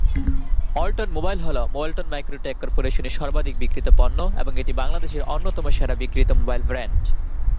Walton mobile হলো Walton micro-tech কর্পোরেশনের সর্বাধিক বিক্রিত পণ্য এবং এটি বাংলাদেশের অন্যতম সেরা বিক্রিত মোবাইল ব্র্যান্ড।